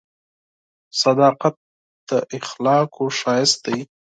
• صداقت د اخلاقو ښایست دی.